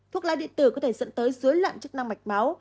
thuốc lá điện tử có thể dẫn tới dối loạn chức năng mạch máu